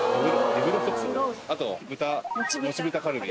あと豚もち豚カルビ。